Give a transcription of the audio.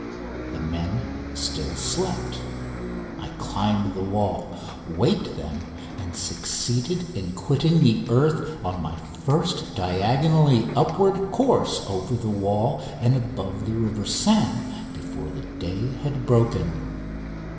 The men still slept. I climbed the wall, waked them, and succeeded in quitting the earth on my first diagonally upward course over the wall and above the River Seine before the day had broken.